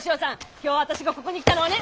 今日私がここに来たのはね！